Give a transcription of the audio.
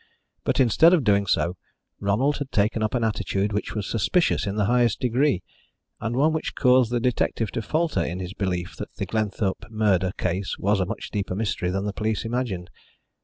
But, instead of doing so, Ronald had taken up an attitude which was suspicious in the highest degree, and one which caused the detective to falter in his belief that the Glenthorpe murder case was a much deeper mystery than the police imagined.